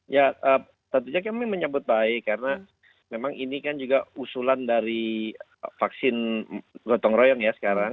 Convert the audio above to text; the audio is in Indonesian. ya tentunya kami menyebut baik karena memang ini kan juga usulan dari vaksin gotong royong ya sekarang